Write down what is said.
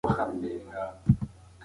د ګناهونو د کمولو لپاره استغفار کوه.